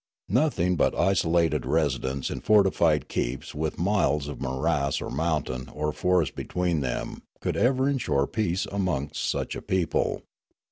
Nothing but isolated residence in fortified keeps with miles of morass or mountain or forest between them could ever insure peace amongst such a people.